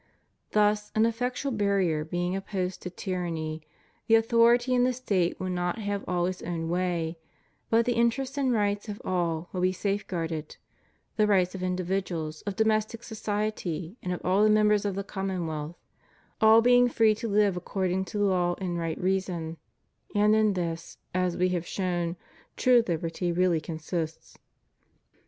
Thus, an effectual barrier being opposed to tyranny, the authority in the State will not have all its own way, but the interests and rights of all will be safe guarded— the rights of individuals, of domestic society, and of all the members of the commonwealth; all being free to live according to law and right reason; and in this, as We have shown, true liberty really consists.